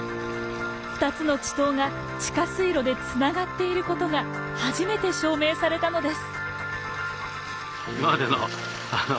２つの池溏が地下水路でつながっていることが初めて証明されたのです。